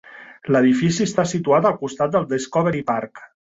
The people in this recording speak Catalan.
L'edifici està situat al costat del Discovery Park.